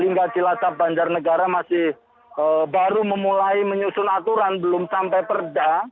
tetangga cilacap bandar negara masih baru memulai menyusun aturan belum sampai perda